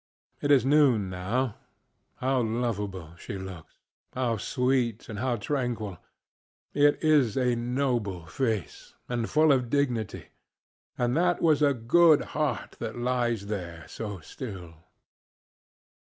It is noon, now. How lovable she looks, how sweet and how tranquil! It is a noble face, and full of dignity; and that was a good heart that lies there so still.